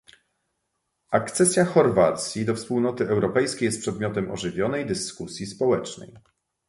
Akcesja Chorwacji do Wspólnoty Europejskiej jest przedmiotem ożywionej dyskusji społecznej